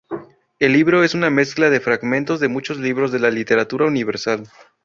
El libro es una mezcla de fragmentos de muchos libros de la literatura universal.